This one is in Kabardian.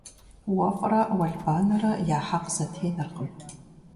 Уэфӏрэ уэлбанэрэ я хьэкъ зэтенэркъым.